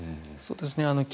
そうですね。